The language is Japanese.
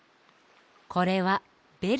これはベル。